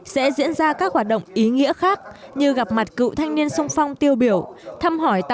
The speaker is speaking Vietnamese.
sẽ diễn ra các hoạt động ý nghĩa khác như gặp mặt cựu thanh niên sung phong tiêu biểu thăm hỏi